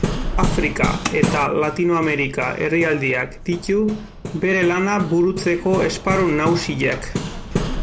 Afrika eta Latinoamerika herrialdeak ditu bere lana burutzeko esparru nagusiak.